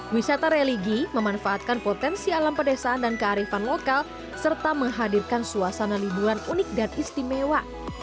wisata religi memanfaatkan potensi alam pedesaan dan kearifan lokal serta menghadirkan suasana liburan unik dan istimewa